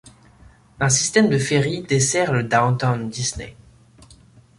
Un système de ferry dessert le Downtown Disney.